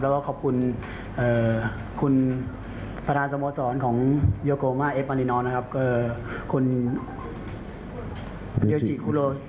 แล้วก็ขอบคุณเอ่อคุณประธานสมสรรค์ของโยโกมาเอฟมารินอลนะครับคือคุณ